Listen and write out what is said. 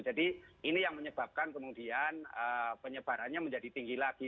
jadi ini yang menyebabkan kemudian penyebarannya menjadi tinggi lagi